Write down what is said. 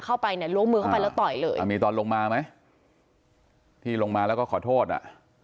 เข้าไปเนี่ยล้วงมือเข้าไปแล้วต่อยเลยอ่ามีตอนลงมาไหมที่ลงมาแล้วก็ขอโทษอ่ะ